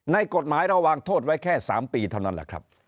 ในกฎหมายระวังโทษไว้แค่๓ปีเท่านั้นแหละครับ